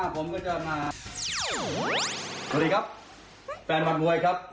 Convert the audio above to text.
สวัสดีครับแฟนบัตรมวยครับ